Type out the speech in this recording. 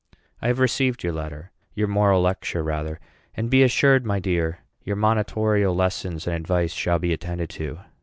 I have received your letter your moral lecture rather; and be assured, my dear, your monitorial lessons and advice shall be attended to.